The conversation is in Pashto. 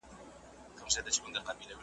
دغه که ګناه وي زه پخوا دوږخ منلی یم ,